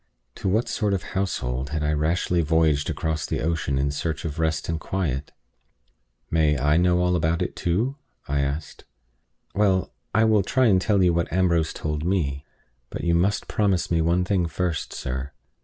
To what sort of household had I rashly voyaged across the ocean in search of rest and quiet? "May I know all about it too?" I said. "Well, I will try and tell you what Ambrose told me. But you must promise me one thing first, sir.